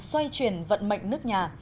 xoay chuyển vận mệnh nước nhà